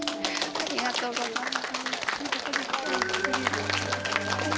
ありがとうございます。